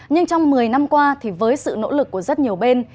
nhưng trong một mươi năm qua thì với sự nỗ lực của rất nhiều bên